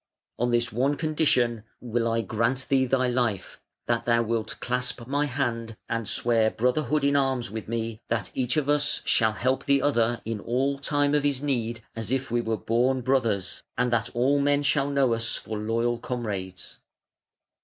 On this one condition will I grant thee thy life, that thou wilt clasp my hand and swear brotherhood in arms with me, that each of us shall help the other in all time of his need as if we were born brothers, and that all men shall know us for loyal comrades".